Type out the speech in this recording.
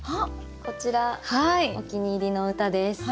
こちらお気に入りの歌です。